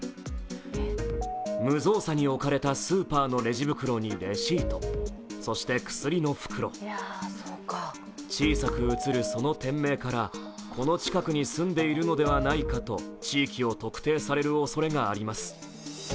無造作に置かれたスーパーのレジ袋にレシート、そして薬の袋、小さく写るその店名からこの近くに住んでいるのではないかと地域を特定されるおそれがあります。